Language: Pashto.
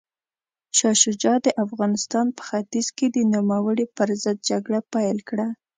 شاه شجاع د افغانستان په ختیځ کې د نوموړي پر ضد جګړه پیل کړه.